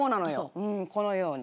このように。